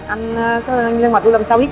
anh lên ngoài tôi làm sao biết